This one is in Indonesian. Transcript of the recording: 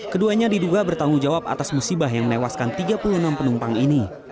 keduanya diduga bertanggung jawab atas musibah yang menewaskan tiga puluh enam penumpang ini